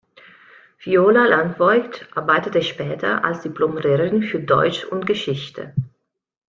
Viola Landvoigt arbeitete später als Diplom-Lehrerin für Deutsch und Geschichte.